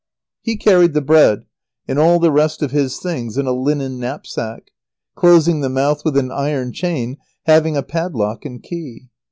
He carried the bread, and all the rest of his things, in a linen knapsack, closing the mouth with an iron chain having a padlock and key.